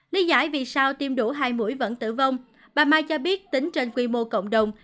lý giải vì sao tiêm đủ hai mũi vẫn tử vong bà mai cho biết tính trên quy mô cộng đồng